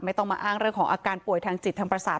ไม่ต้องมาอ้างเรื่องของอาการป่วยทางจิตทางประสาท